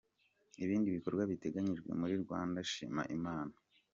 Ibindi bikorwa biteganyijwe muri “Rwanda, Shima Imana!”.